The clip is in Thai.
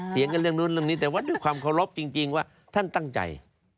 เถียงกันเรื่องนู้นเรื่องนี้แต่ว่าด้วยความเคารพจริงว่าท่านตั้งใจ